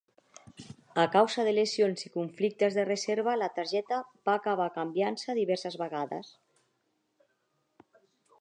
A causa de lesions i conflictes de reserva, la targeta va acabar canviant-se diverses vegades.